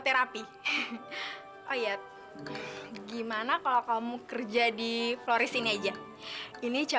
tapi kamu tenang aja